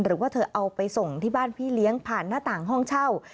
หรือว่าเธอเอาไปส่งที่บ้านพี่เลี้ยงผ่านหน้าต่างห้องเช่า